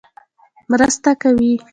مرسته کوي.